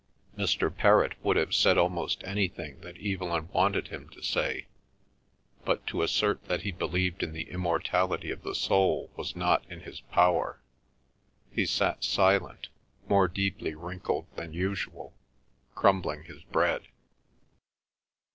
Mr. Perrott would have said almost anything that Evelyn wanted him to say, but to assert that he believed in the immortality of the soul was not in his power. He sat silent, more deeply wrinkled than usual, crumbling his bread.